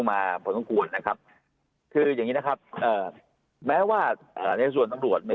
มาผมต้องกวนนะครับคืออย่างนี้นะครับแม้ว่าในส่วนตำรวจใน